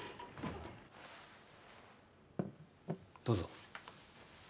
どうぞ。